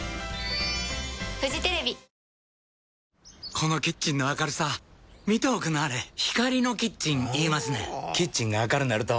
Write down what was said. このキッチンの明るさ見ておくんなはれ光のキッチン言いますねんほぉキッチンが明るなると・・・